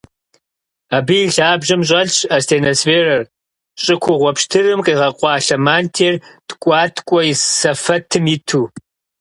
Абы и лъабжьэм щӀэлъщ астеносферэр: щӀы кугъуэ пщтырым къигъэкъуэлъа мантиер ткӀуаткӀуэ сэфэтым иту.